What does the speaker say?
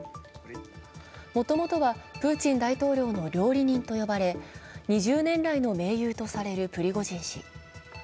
もともとはプーチン大統領の料理人と呼ばれ、２０年来の盟友とされるプリゴジン氏。